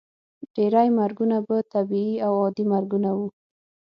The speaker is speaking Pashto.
ډیری مرګونه به طبیعي او عادي مرګونه وو.